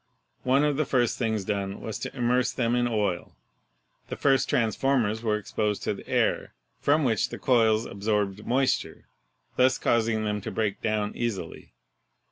One of the first things done was to immerse them in oil. The first transformers were exposed to the air, from which the coils absorbed moisture, thus causing them to break down easily.